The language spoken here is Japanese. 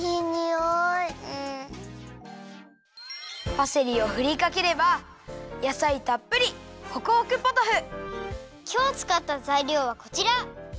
パセリをふりかければやさいたっぷりきょうつかったざいりょうはこちら！